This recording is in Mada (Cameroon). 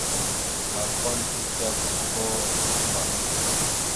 Klakom islégosko andəvá.